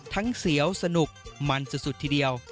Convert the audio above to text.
ทั้งเสียวสนุกมันซะสุดทีเดียว